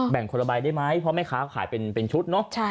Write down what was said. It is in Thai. งคนละใบได้ไหมเพราะแม่ค้าขายเป็นชุดเนอะ